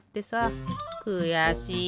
くやしい。